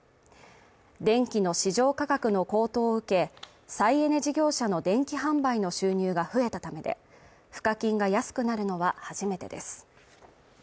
電気の市場価格の高騰を受け、再エネ事業者の電気販売の収入が増えたためで、賦課金が安くなるのは初めてです。